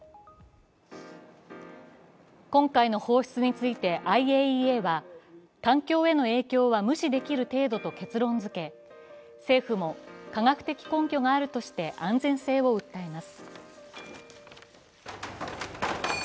今回の放出についてＩＡＥＡは、環境への影響は無視できる程度と結論づけ政府も科学的根拠があるとして安全性を訴えます。